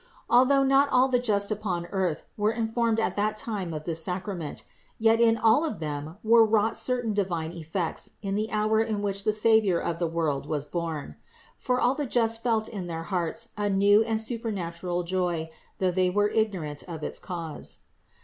Although not all the just upon earth were informed at that time of this sacrament; yet in all of them were wrought certain divine effects in the hour in which the Savior of the world was born. For all the just felt in their hearts a new and supernatural joy, though they were ignorant of its cause.